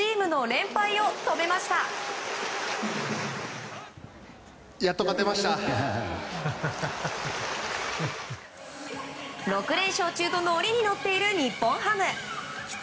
６連勝中と乗りに乗っている日本ハム。